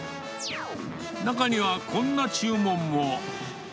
中にはこんな注文も。